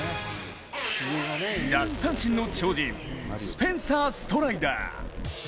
奪三振の超人、スペンサー・ストライダー。